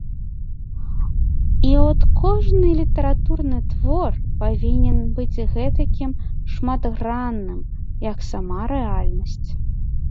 І от кожны літаратурны твор павінен быць гэтакім шматгранным, як сама рэальнасць.